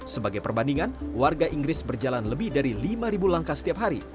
sebagai perbandingan warga inggris berjalan lebih dari lima langkah setiap hari